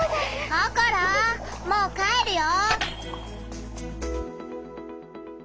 ココロもう帰るよ！